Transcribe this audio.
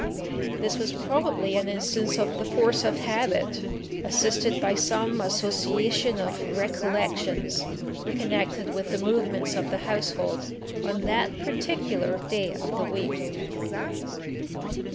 This was probably an instance of the force of habit, assisted by some association of recollections connected with the movements of the household on that particular day of the week."